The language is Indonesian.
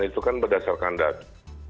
dan itu kan berdasarkan data